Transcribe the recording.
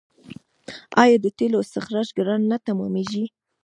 آیا د تیلو استخراج ګران نه تمامېږي؟